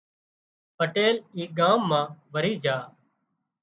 پٽيل اي ڳام وري جھا